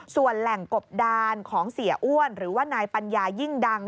ส่วนแหล่งกบดานของเสียอ้วนหรือว่านายปัญญายิ่งดัง